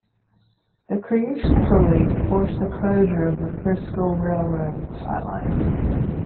The creation of the lake forced the closure of the Frisco Railroad's "Highline".